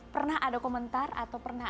pernah ada komentar atau pernah